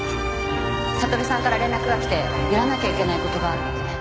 悟さんから連絡がきてやらなきゃいけない事があるって。